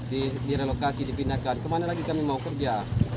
direlokasi dipindahkan kemana lagi kami mau kerja